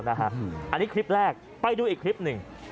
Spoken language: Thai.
อันนี้คลิปแรกไปดูอีกคลิปหนึ่ง